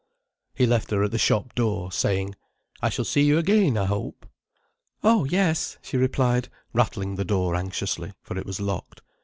He left her at the shop door, saying: "I shall see you again, I hope." "Oh, yes," she replied, rattling the door anxiously, for it was locked.